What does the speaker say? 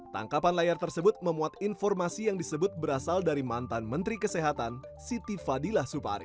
tangkapan layar tersebut memuat informasi yang disebut berasal dari mantan menteri kesehatan siti fadila supari